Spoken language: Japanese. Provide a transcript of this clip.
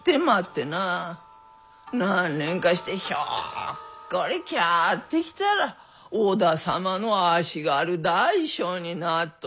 何年かしてひょっこり帰ってきたら織田様の足軽大将になっとった。